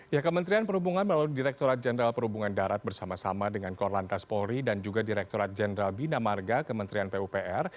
ya kementerian perhubungan melalui direkturat jenderal perhubungan darat bersama sama dengan korlantas polri dan juga direkturat jenderal bina marga kementerian pupr